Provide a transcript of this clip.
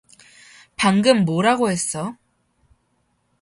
방금 뭐라고 했어?